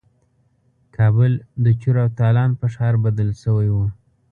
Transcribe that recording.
کابل د چور او تالان په ښار بدل شوی وو.